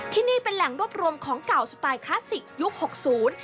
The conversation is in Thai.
ที่นี่เป็นแหล่งรวบรวมของเก่าสไตล์คลาสสิกยุคหกศูนย์